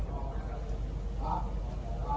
สวัสดีครับทุกคน